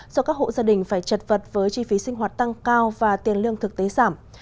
do các hộ gia đình phải chật vật với chi phí sinh hoạt tăng cao và tiền lương thực tế giảm